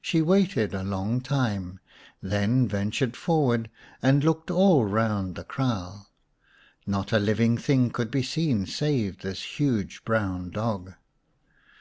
She waited a long time, then ventured forward and looked all round the kraal. Not a living thing could be seen save this huge brown dog.